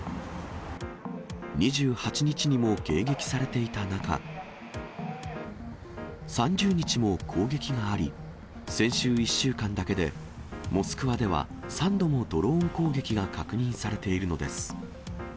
２８日にも迎撃されていた中、３０日も攻撃があり、先週１週間だけでモスクワでは３度もドローン攻撃が確認されているのです。